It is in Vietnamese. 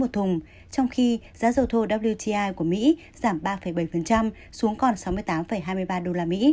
trong khi giá dầu thô của mỹ giảm ba bảy xuống còn sáu mươi tám hai mươi ba usd